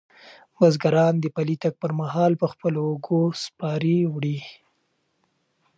بزګران د پلي تګ پر مهال په خپلو اوږو سپارې وړي.